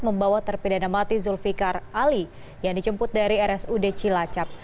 membawa terpidana mati zulfikar ali yang dijemput dari rsud cilacap